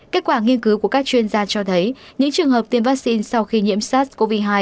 kết quả nghiên cứu của các chuyên gia cho thấy những trường hợp tiêm vaccine sau khi nhiễm sars cov hai